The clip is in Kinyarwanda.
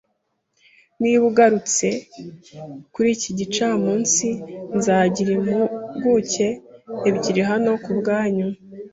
Niba ugarutse kuri iki gicamunsi, nzagira impuguke ebyiri hano kubwanyu.